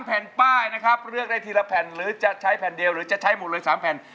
แผ่นป้ายนะครับเลือกได้ทีละแผ่นหรือจะใช้แผ่นเดียวหรือจะใช้หมดเลย๓แผ่น